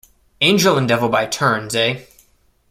Angel and devil by turns, eh?